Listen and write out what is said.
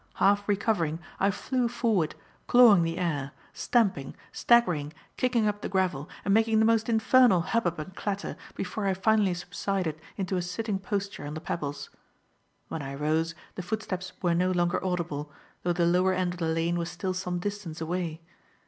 Half recovering, I flew forward, clawing the air, stamping, staggering, kicking up the gravel, and making the most infernal hubbub and clatter, before I finally subsided into a sitting posture on the pebbles. When I rose, the footsteps were no longer audible, though the lower end of the lane was still some distance away.